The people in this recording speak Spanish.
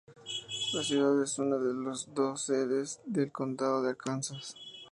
La ciudad es una de las dos sedes del condado de Arkansas.